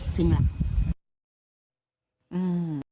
จริงจริงจริง